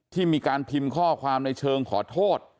ที่มีการพิมพ์ข้อความในเชิงขอโทษ